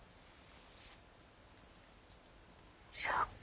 そうか。